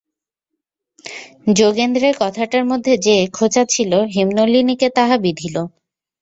যোগেন্দ্রের কথাটার মধ্যে যে খোঁচা ছিল, হেমনলিনীকে তাহা বিঁধিল।